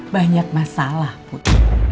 banyak masalah bud